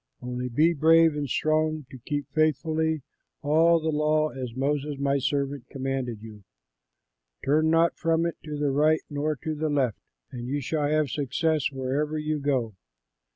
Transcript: Only be brave and strong to keep faithfully all the law, as Moses my servant commanded you. Turn not from it to the right nor to the left, and you shall have success wherever you go.